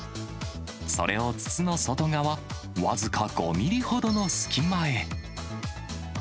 それを筒の外側、僅か５ミリほどの隙間へ。